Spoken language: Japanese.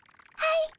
はい。